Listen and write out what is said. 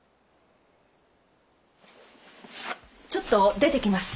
ちょっと出てきます。